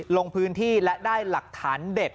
ลงพื้นที่และได้หลักฐานเด็ด